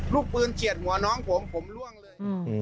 ลูกปืนเฉียดหัวน้องผมผมล่วงเลย